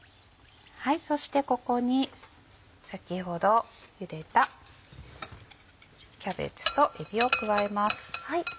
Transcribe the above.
そしてここに先ほど茹でたキャベツとえびを加えます。